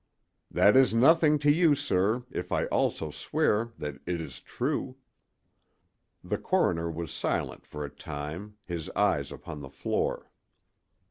"That is nothing to you, sir, if I also swear that it is true." The coroner was silent for a time, his eyes upon the floor.